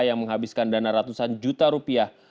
yang menghabiskan dana ratusan juta rupiah